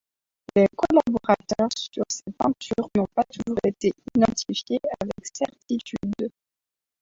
Les collaborateurs sur ses peintures n'ont pas toujours été identifiés avec certitude.